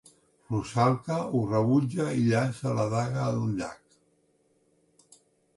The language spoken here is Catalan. Rusalka ho rebutja i llança la daga al llac.